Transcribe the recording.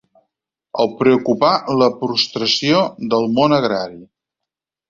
El preocupà la prostració del món agrari.